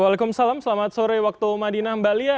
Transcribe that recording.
waalaikumsalam selamat sore waktu madinah mbak lia